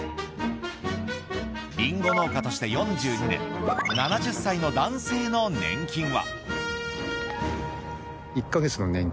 リンゴ農家として４２年７０歳の男性の年金は。